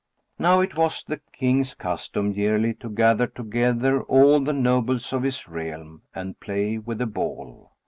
Now it was the King's custom yearly to gather together all the nobles of his realm and play with the ball.